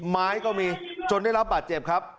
ก็มีจนได้รับบาดเจ็บครับ